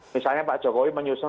misalnya pak jokowi menyusun